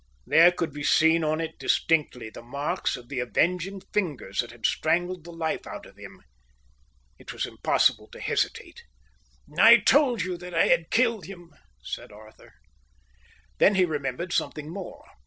There could be seen on it distinctly the marks of the avenging fingers that had strangled the life out of him. It was impossible to hesitate. "I told you that I had killed him," said Arthur. Then he remembered something more.